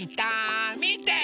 みて！